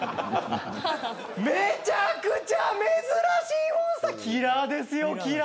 めちゃくちゃ珍しいモンスターキラですよ、キラ。